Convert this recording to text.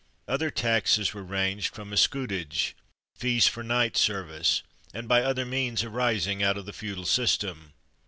Other taxes were raised from escuage, fees for knights' service, and by other means arising out of the feudal system.